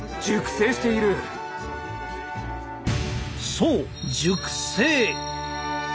そう熟成！